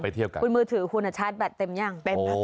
ไปเทียบกันหรือมุมธือหุ่นแชร์ชาร์จแบตเต็มยัง